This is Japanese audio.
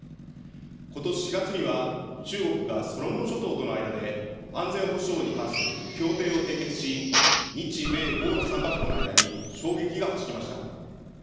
ことし４月には、中国がソロモン諸島との間で安全保障に関する協定を締結し、日米豪の３か国の間に衝撃が走りました。